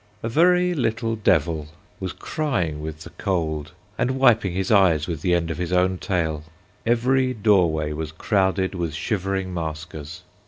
A very little devil was crying with the cold, and wiping his eyes with the end of his own tail. Every doorway was crowded with shivering maskers.